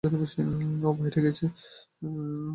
ও বাইরে গেছে?